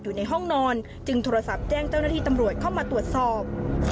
อยู่ในห้องนอนจึงโทรศัพท์แจ้งเจ้าหน้าที่ตำรวจเข้ามาตรวจสอบ